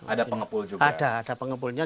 ada pengepul juga ada pengepulnya